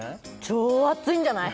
超熱いんじゃない？